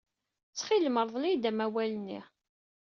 Ttxil-m, rḍel-iyi-d amawal-nni.